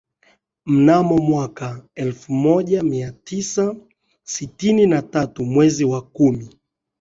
Mnamo mwaka elfu moja mia tisa sitini na tatu mwezi wa kumi